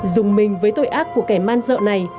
dùng mình với tội ác của kẻ man dợ này